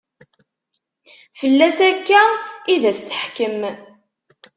Fell-as akka i d as-teḥkem.